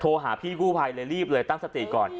โทรหาพี่กู่ไพเลยรีบเลยตั้งสติก่อน